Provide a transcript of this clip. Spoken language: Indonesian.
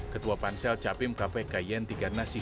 ketua pansel capim kpk yen tiga nasi